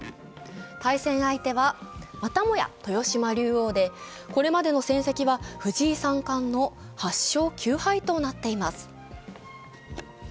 対戦相手は、またもや豊島竜王でこれまでの戦績は藤井三冠の８勝９敗となっています。